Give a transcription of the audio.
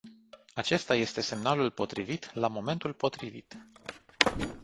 Acesta este semnalul potrivit la momentul potrivit.